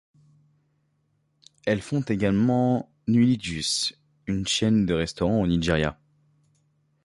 Elle fonde également Nuli Jus, une chaîne de restaurant au Nigeria.